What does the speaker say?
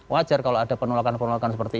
wajar kalau ada penolakan penolakan seperti itu